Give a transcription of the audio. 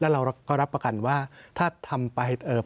แล้วเราก็รับประกันว่าถ้าทำภายใต้แนวประเด็นแบบนี้